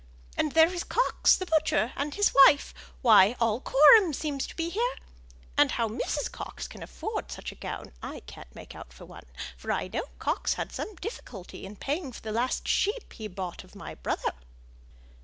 And there is Coxe the butcher and his wife! Why all Coreham seems to be here! And how Mrs. Coxe can afford such a gown I can't make out for one, for I know Coxe had some difficulty in paying for the last sheep he bought of my brother."